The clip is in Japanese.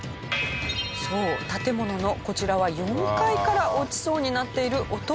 そう建物のこちらは４階から落ちそうになっている男の子。